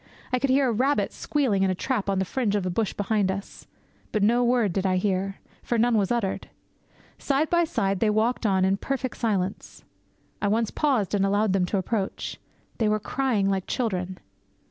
I could hear a rabbit squealing in a trap on the fringe of the bush far behind us. But no word did I hear. For none was uttered. Side by side they walked on and on in perfect silence. I once paused and allowed them to approach. They were crying like children.